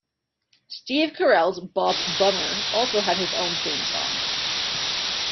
Steve Carell's Bob Bummer also had his own theme song.